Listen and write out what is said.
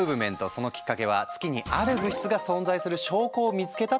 そのきっかけは月にある物質が存在する証拠を見つけたっていう研究なんだ。